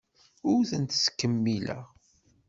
Ur tent-ttkemmileɣ.